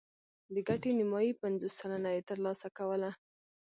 د ګټې نیمايي پنځوس سلنه یې ترلاسه کوله